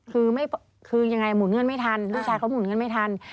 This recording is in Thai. คือยังไงหมุนเงินไม่ทันลูกชายเขาหมุนเงินไม่ทัน